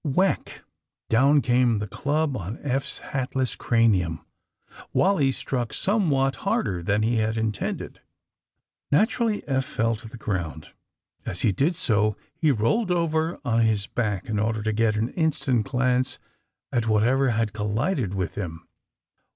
Whack! Down came the club on Eph's hat less cranium. Wally struck somewhat harder than he had intended. Naturally Eph fell to the ground. As he did so he rolled over on his back in order to get an instant glance at whatever had collided with him.